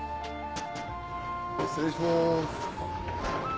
失礼します。